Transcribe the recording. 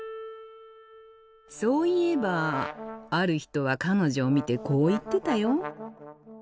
そういえばある人は彼女を見てこう言ってたよ。